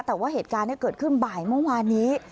แต่ว่าเหตุการณ์เกิดขึ้นบ่ายเมื่อวานนี้